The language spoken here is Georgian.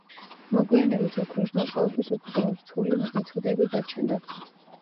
მოგვიანებით ოქროს მოპოვების უფრო რთული მეთოდები გაჩნდა.